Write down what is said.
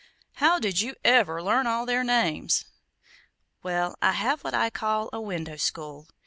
"How did you ever learn all their names?" "Well, I have what I call a 'window school.'